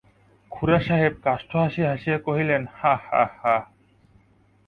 খুড়াসাহেব কাষ্ঠহাসি হাসিয়া কহিলেন, হা হা হা!